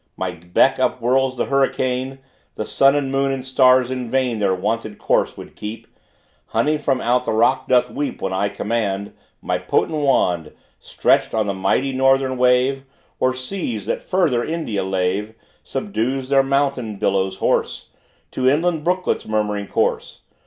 My beck upwhirls the hurricane: The sun and moon and stars in vain Their wonted course would keep; Honey from out the rock doth weep When I command. My potent wand, Stretched on the mighty northern wave, Or seas that farther India lave, Subdues their mountain billows hoarse, To inland brooklets' murmuring course.